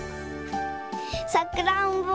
さくらんぼ。